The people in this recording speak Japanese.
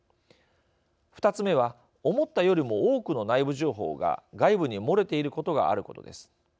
２つ目は、思ったよりも多くの内部情報が外部に漏れていることがあることです。